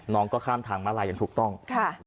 น้องก็ข้ามทางมาลายอย่างถูกต้อง